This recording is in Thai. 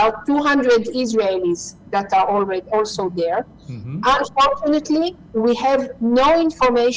คิดว่าทีนี้จะทำอะไรรู้สึกเป็นไปไหน